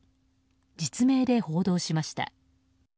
実名で報道しました。